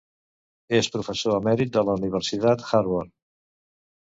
És professor emèrit de la Universitat Harvard.